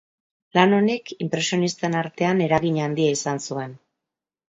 Lan honek inpresionisten artean eragin handia izan zuen.